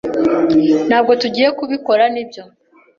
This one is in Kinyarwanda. Ntabwo tugiye kubikora, nibyo?